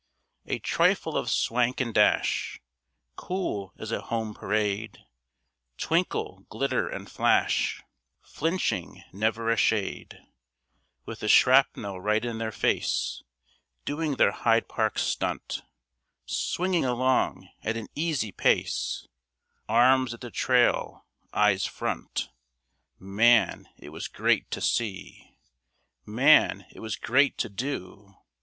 A trifle of swank and dash, Cool as a home parade, Twinkle, glitter and flash, Flinching never a shade, With the shrapnel right in their face, Doing their Hyde Park stunt, Swinging along at an easy pace, Arms at the trail, eyes front. Man! it was great to see! Man! it was great to do!